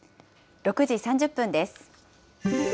６時３０分です。